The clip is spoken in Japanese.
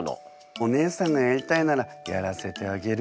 お姉さんがやりたいならやらせてあげる。